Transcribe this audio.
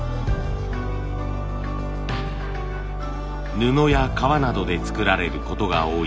布や革などで作られることが多い